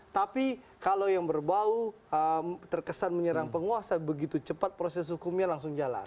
tapi kalau yang berbau terkesan menyerang penguasa begitu cepat proses hukumnya langsung jalan